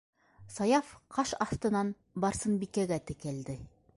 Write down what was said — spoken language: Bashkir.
- Саяф ҡаш аҫтынан Барсынбикәгә текәлде.